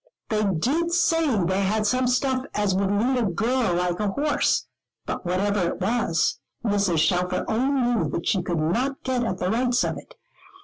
They did say they had some stuff as would lead a girl like a horse. But whatever it was, Mrs. Shelfer only knew that she could not get at the rights of it.